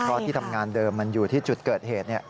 เพราะที่ทำงานเดิมมันอยู่ที่จุดเกิดเหตุ